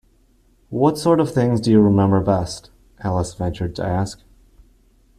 ‘What sort of things do you remember best?’ Alice ventured to ask.